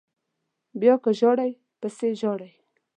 بیا که ژاړئ پسې ژاړئ